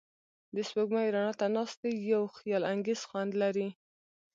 د سپوږمۍ رڼا ته ناستې یو خیالانګیز خوند لري.